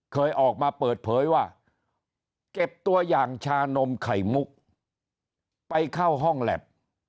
เคยออกมาเปิดเผยว่าเก็บตัวอย่างชานมไข่มุกไปเข้าห้องแล็บ